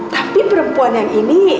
tapi perempuan yang ini